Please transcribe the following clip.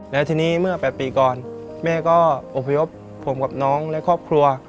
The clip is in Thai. แล้วทีนี้เมื่อ๘ปีก่อนแม่ก็อบพยพผมกับน้องและครอบครัว